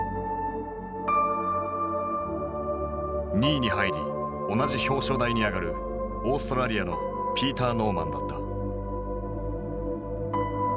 ２位に入り同じ表彰台に上がるオーストラリアのピーター・ノーマンだった。